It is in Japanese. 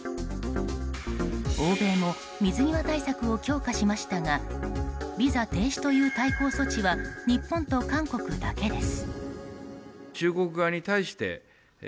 欧米も水際対策を強化しましたがビザ停止という対抗措置は日本と韓国だけです。